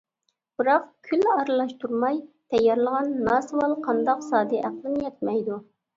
بىراق كۈل ئارىلاشتۇرماي تەييارلىغان ناسۋال قانداق؟ زادى ئەقلىم يەتمەيدۇ.